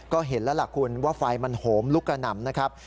ก็เห็นแล้วล่ะคุณว่าไฟมันโหมลุกกระหน่ำนะครับ